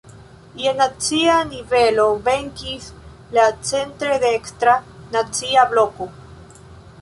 Je nacia nivelo, venkis la centre dekstra Nacia Bloko.